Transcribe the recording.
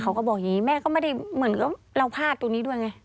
เขาก็บอกอย่างนี้เค้าพลาดตรงนี้ด้วย